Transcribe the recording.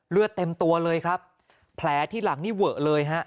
เลือดเต็มตัวเลยครับแผลที่หลังนี่เวอะเลยฮะ